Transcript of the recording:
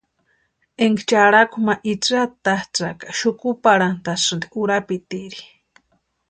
Énka charhaku ma itsï atatsïʼka xukuparhanʼtasïnti urapitiri.